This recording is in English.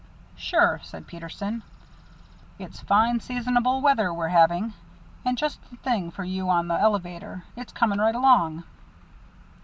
"Sure," said Peterson. "It's fine seasonable weather we're having, and just the thing for you on the elevator. It's coming right along."